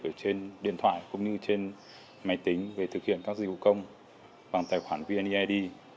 ở trên điện thoại cũng như trên máy tính về thực hiện các dịch vụ công bằng tài khoản vned